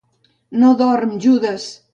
No dorm, Judes!